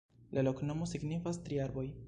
La loknomo signifas: tri arboj.